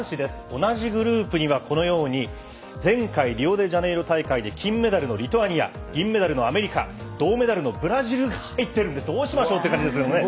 同じグループには、このように前回、リオデジャネイロ大会で金メダルのリトアニア銀メダルのアメリカ銅メダルのブラジルが入っているのでどうしましょうという感じです。